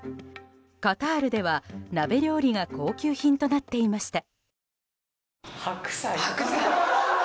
カタールでは鍋料理が高級品となっていました。